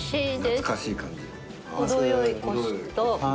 懐かしい感じ？